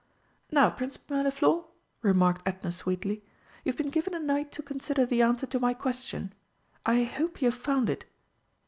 "Now, Prince Mirliflor," remarked Edna sweetly, "you have been given a night to consider the answer to my question. I hope you have found it?"